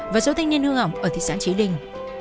và số thanh niên hương ẩm ở thị xã trí linh